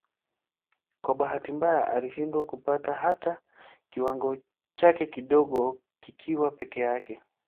Kwa bahati mbaya alishindwa kupata hata kiwango chake kidogo kikiwa peke yake.